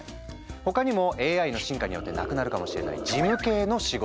他にもＡＩの進化によってなくなるかもしれない事務系の仕事。